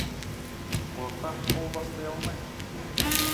Қорқақ қол бастай алмайды.